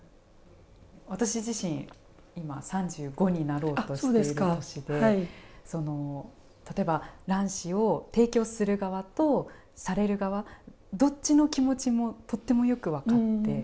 私自身今、３５になろうとしている年で例えば、卵子を提供する側とされる側、どっちの気持ちもとってもよく分かって。